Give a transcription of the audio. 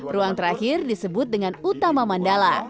ruang terakhir disebut dengan utama mandala